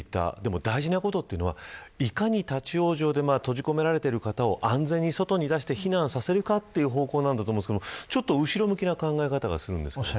大事なことは、いかに立ち往生で閉じ込められている方を安全に外に出して避難させるかという方向だと思うんですけどちょっと後ろ向きな考え方がします。